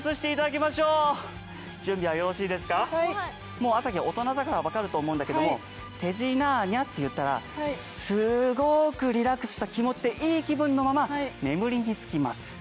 もう朝日は大人だから分かると思うんだけども「てじなーにゃ！」って言ったらすごくリラックスした気持ちでいい気分のまま眠りにつきます。